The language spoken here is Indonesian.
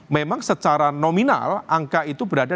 memang secara nominal angka itu berada